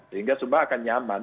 sehingga semua akan nyaman